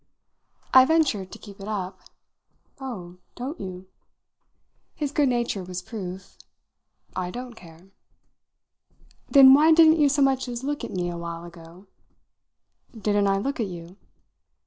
I ventured to keep it up. "Oh, don't you?" His good nature was proof. "I don't care." "Then why didn't you so much as look at me a while ago?" "Didn't I look at you?"